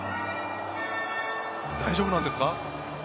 大丈夫なんですか？